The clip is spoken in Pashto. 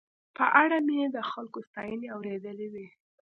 په اړه مې یې د خلکو ستاينې اورېدلې وې.